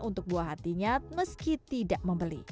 untuk buah hatinya meski tidak membeli